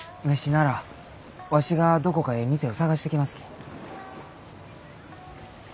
ならわしがどこかえい店を探してきますき。